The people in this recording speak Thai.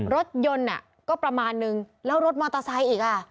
รถยนต์ก็ประมาณนึงแล้วรถมอเตอร์ไซค์อีกอ่ะ